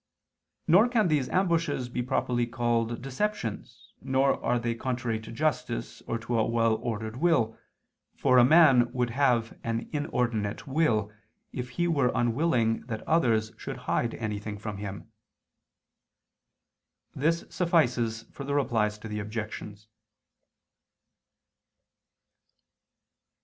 Nor can these ambushes be properly called deceptions, nor are they contrary to justice or to a well ordered will. For a man would have an inordinate will if he were unwilling that others should hide anything from him. This suffices for the Replies to the Objections.